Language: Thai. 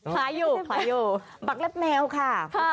หมักเล็บแมวค่ะ